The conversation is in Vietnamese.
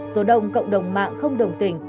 số đông cộng đồng mạng không đồng tình